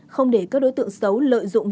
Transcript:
không để các đối tượng xấu lỡ trở thành nạn nhân